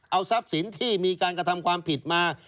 เอาทรัพย์สินที่มีการกระทำความผิดมา